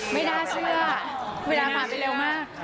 ไม่น่าเชื่อเวลาผ่านไปเร็วมาก